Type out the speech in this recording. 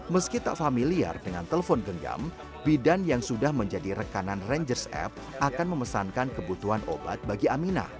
meski tak familiar dengan telepon genggam bidan yang sudah menjadi rekanan rangers app akan memesankan kebutuhan obat bagi aminah